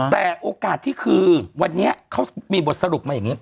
แต่โอกาสที่คือวันนี้เขามีบทสรุปมาอย่างนี้